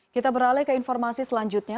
kita beralih ke informasi selanjutnya